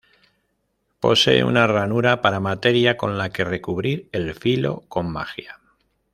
Posee una ranura para materia con la que recubrir el filo con magia.